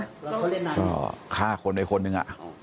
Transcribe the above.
พระคุณใจการคนไว้หักคนใดคนนึง